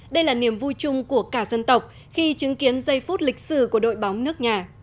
đây là niềm vui chung của cả dân tộc khi chứng kiến giây phút lịch sử của đội bóng nước nhà